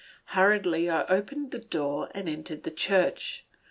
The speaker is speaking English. Hurriedly I opened the door and entered the church.